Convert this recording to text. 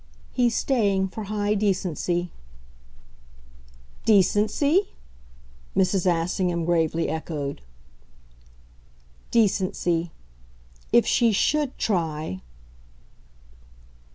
"He's staying for high decency." "Decency?" Mrs. Assingham gravely echoed. "Decency. If she SHOULD try